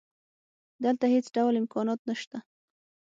دلته هېڅ ډول امکانات نشته